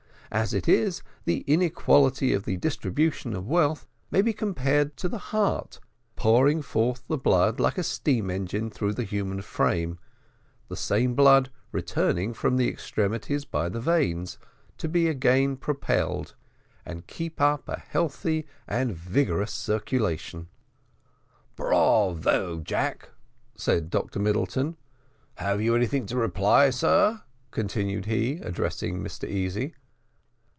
As it is, the inequality of the distribution of wealth may be compared to the heart, pouring forth the blood like a steam engine through the human frame, the same blood returning from the extremities by the veins, to be again propelled, and keep up a healthy and vigorous circulation." "Bravo, Jack!" said Dr Middleton. "Have you anything to reply, sir?" continued he, addressing Mr Easy.